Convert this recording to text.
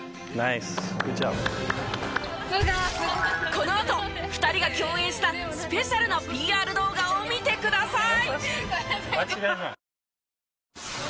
このあと２人が共演したスペシャルなＰＲ動画を見てください！